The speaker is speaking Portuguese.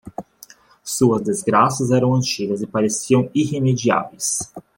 Suas desgraças eram antigas e pareciam irremediáveis.